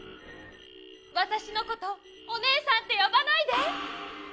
わたしのこと「おねえさん」ってよばないで！